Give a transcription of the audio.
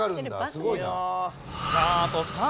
すごいな。